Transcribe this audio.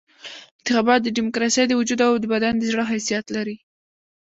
انتخابات د ډیموکراسۍ د وجود او بدن د زړه حیثیت لري.